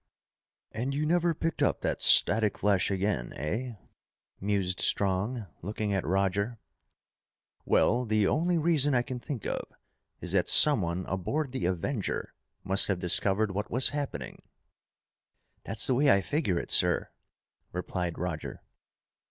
and you never picked up that static flash again, eh?" mused Strong, looking at Roger. "Well, the only reason I can think of is that someone aboard the Avenger must have discovered what was happening." "That's the way I figure it, sir," replied Roger.